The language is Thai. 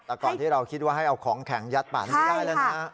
แต่ก่อนที่เราคิดว่าให้เอาของแข็งยัดปากนี้ไม่ได้แล้วนะ